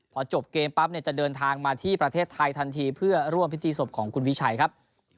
พอจบเกมปั๊บเนี่ยจะเดินทางมาที่ประเทศไทยทันทีเพื่อร่วมพิธีศพของคุณวิชัยครับ